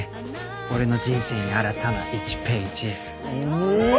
「俺の人生に新たな１ページ」おお！